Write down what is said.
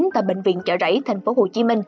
tại bệnh viện chợ rẫy tp hcm